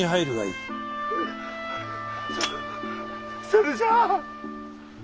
そそれじゃあ！